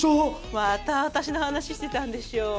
また私の話してたんでしょ。